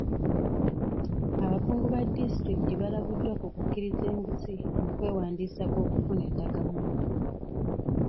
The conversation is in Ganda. Abakungu ba disitulikiti balabuddwa ku kukkiriza enguzi mu kwewandiisa kw'okufuna endagamuntu.